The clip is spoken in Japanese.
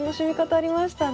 ありましたね。